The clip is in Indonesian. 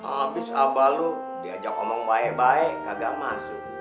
abis abah lo diajak omong baik baik nggak masuk